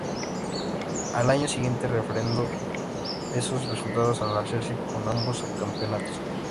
Al año siguiente refrendó esos resultados al hacerse con ambos campeonatos.